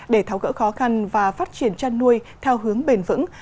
để tháo gỡ khó khăn và phát triển chăn nuôi theo hướng bền vững